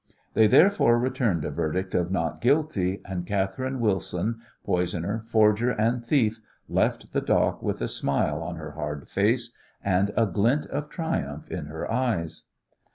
They, therefore, returned a verdict of "Not Guilty," and Catherine Wilson, poisoner, forger and thief, left the dock with a smile on her hard face and a glint of triumph in her eyes.